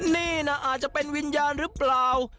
นี่นะอาจจะเป็นวิญญาณหรือเปล่า